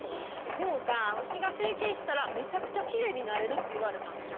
でもさうちが整形したらめちゃくちゃきれいになれるって言われたんですよ。